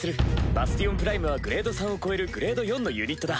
バスティオン・プライムはグレード３を超えるグレード４のユニットだ。